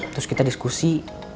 terus kita diskusi